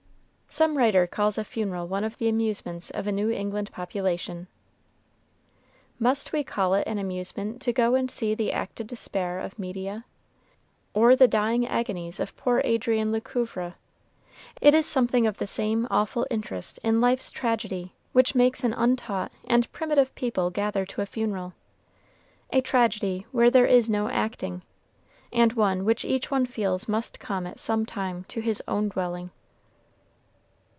Some writer calls a funeral one of the amusements of a New England population. Must we call it an amusement to go and see the acted despair of Medea? or the dying agonies of poor Adrienne Lecouvreur? It is something of the same awful interest in life's tragedy, which makes an untaught and primitive people gather to a funeral, a tragedy where there is no acting, and one which each one feels must come at some time to his own dwelling.